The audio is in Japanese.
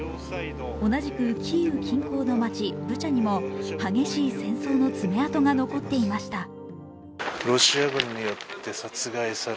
同じくキーウ近郊の街ブチャにも激しい戦争の爪痕が残っていました。